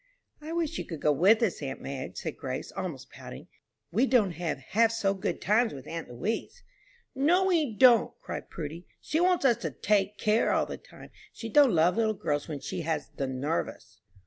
"I wish you could go with us, aunt Madge," said Grace, almost pouting; "we don't have half so good times with aunt Louise." "No, we don't," cried Prudy; "she wants us to 'take care' all the time. She don't love little girls when she has 'the nervous.'"